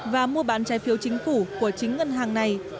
và mua bán trái phiếu chính phủ của chính ngân hàng này